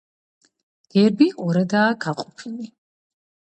გერბი ორადაა გაყოფილი.